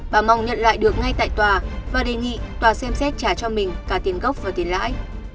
bà mong nhận lại được ngay tại tòa và đề nghị tòa xem xét trả cho mình cả tiền gốc và tiền lãi